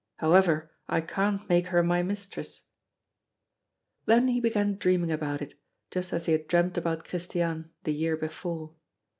However, I can't make her my mistress." Then, he began dreaming about it, just as he had dreamed about Christiane, the year before.